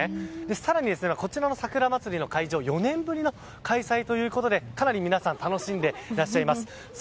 更に、こちらのさくらまつりの会場、４年ぶりの開催ということで、かなり皆さん楽しんでいらっしゃいます。